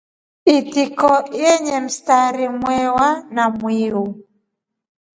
Itiko nyete mstari mwewa na njiu.